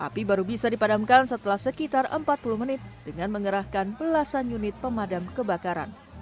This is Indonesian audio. api baru bisa dipadamkan setelah sekitar empat puluh menit dengan mengerahkan belasan unit pemadam kebakaran